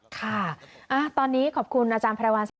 ค่ะตอนนี้ขอบคุณอาจารย์พระรวัติศาสตร์